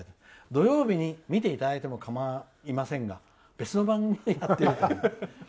土曜日に見ていただいても構いませんが別の番組になってます。